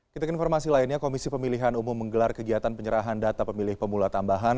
kita ke informasi lainnya komisi pemilihan umum menggelar kegiatan penyerahan data pemilih pemula tambahan